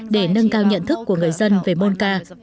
để nâng cao nhận thức của người dân về môn ca